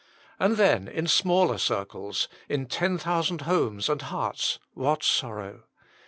And then in smaller circles, in ten thousand homes and hearts, what sorrow.